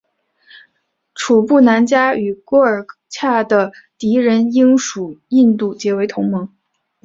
楚布南嘉与廓尔喀的敌人英属印度结为同盟。